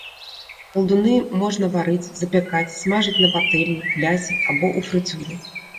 Калдуны можна варыць, запякаць, смажыць на патэльні, блясе або ў фрыцюры.